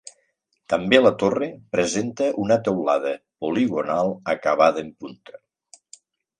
També la torre presenta una teulada poligonal acabada en punta.